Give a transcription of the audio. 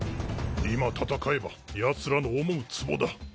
今戦えばヤツらの思うつぼだ。